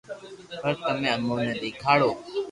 پر تمي امو ني ديکاڙو